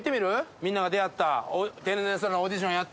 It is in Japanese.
みんなが出会った、天然素材のオーディションやった。